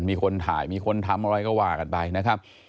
มีคนถ่ายมีคนทำอะไรก็ว่ากันไปนะครับ